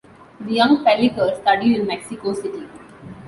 The young Pellicer studied in Mexico City.